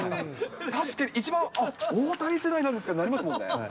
確かに、一番、大谷世代ですかってなりますもんね。